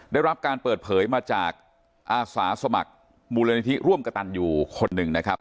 ได้รับการเปิดเผยมาจากอาสาสมัครมูลนิธิร่วมกระตันอยู่คนหนึ่งนะครับ